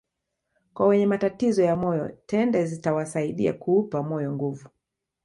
Kwa wenye matatizo ya moyo tende zitawasaidia kuupa moyo nguvu